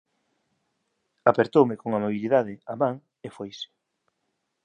Apertoume con amabilidade a man e foise.